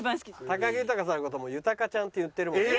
高木豊さんの事も「ゆたかちゃん」って言ってるもんね。